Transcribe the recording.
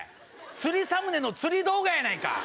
釣りサムネの釣り動画やないか！